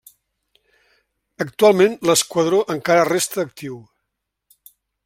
Actualment l'esquadró encara resta actiu.